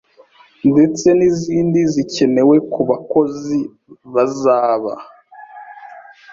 ndetse n’izindi zikenewe ku bakozi bazaba